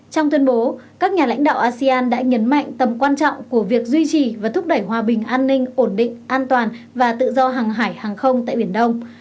trong tuyên bố các nhà lãnh đạo asean đã nhấn mạnh tầm quan trọng của việc duy trì và thúc đẩy hòa bình an ninh ổn định an toàn và tự do hàng hải hàng không tại biển đông